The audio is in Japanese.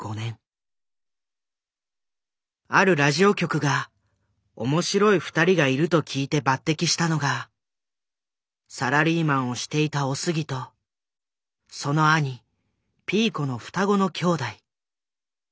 あるラジオ局が面白い２人がいると聞いて抜擢したのがサラリーマンをしていたおすぎとその兄ピーコの双子の兄弟。